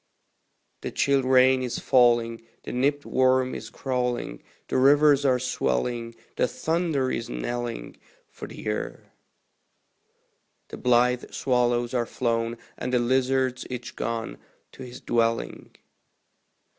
The chill rain is falling, the nipped worm is crawling, The rivers are swelling, the thunder is knelling For the Year; The blithe swallows are flown, and the lizards each gone To his dwelling.